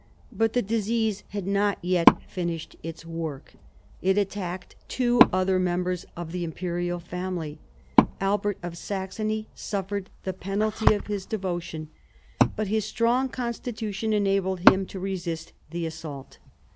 But the disease had not yet finished its work; it attacked two other members of the imperial family. Albert of Saxony suffered the penalty of his devotion ; but his strong constitution enabled him to resist the assault.